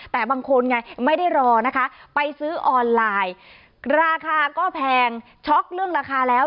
แต่บางคนไงไม่ได้รอนะคะไปซื้อออนไลน์ราคาก็แพงช็อกเรื่องราคาแล้ว